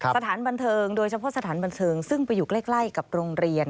สถานบันเทิงโดยเฉพาะสถานบันเทิงซึ่งไปอยู่ใกล้กับโรงเรียน